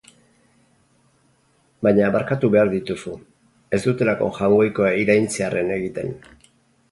Baina barkatu behar dituzu, ez dutelako Jaungoikoa iraintzearren egiten.